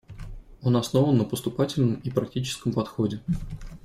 Он основан на поступательном и практическом подходе.